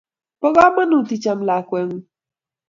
Po kamanut icham lakweng'ung'